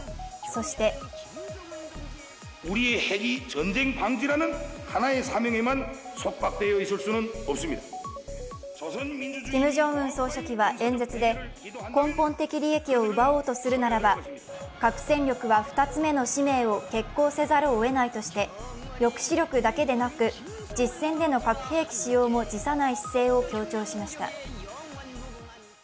そしてキム・ジョンウン総書記は演説で根本的利益を奪おうとするならば核戦力は２つ目の使命を決行せざるをえないとして抑止力だけでなく、実戦での核兵器使用も辞さない姿勢を強調しました。